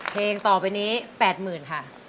เพลงต่อไปนี้๘๐๐๐ค่ะ